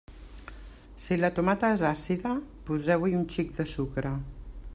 Si la tomata és àcida, poseu-hi un xic de sucre.